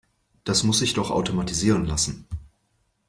Das muss sich doch automatisieren lassen.